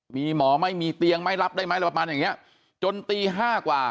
มีหมอไม่มีเตียงไม่รับได้ไหมอะไรประมาณอย่างเนี้ยจนตีห้ากว่า